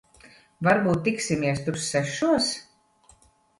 Varbūt tiksimies tur sešos?